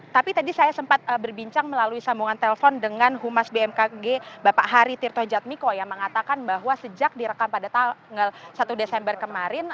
tapi tadi saya sempat berbincang melalui sambungan telpon dengan humas bmkg bapak hari tirto jatmiko yang mengatakan bahwa sejak direkam pada tanggal satu desember kemarin